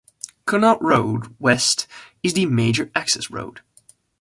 Connaught Road West is the major access road.